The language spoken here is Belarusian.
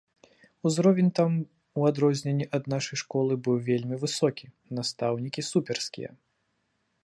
Узровень там, у адрозненне ад нашай школы, быў вельмі высокі, настаўнікі суперскія.